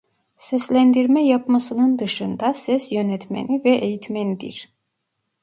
Seslendirme yapmasının dışında ses yönetmeni ve eğitmendir.